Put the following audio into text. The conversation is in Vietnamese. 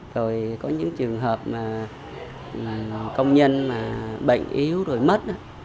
rồi có những trường hợp mà công nhân mà bệnh yếu rồi mất đó